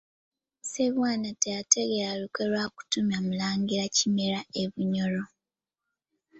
Ssebwana teyategeera lukwe lwa kutumya Mulangira Kimera e Bunyoro.